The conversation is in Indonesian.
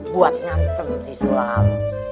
buat nyantem si sulam